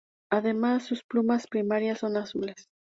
Además sus plumas primarias son azules.